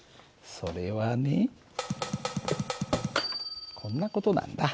それはねこんな事なんだ。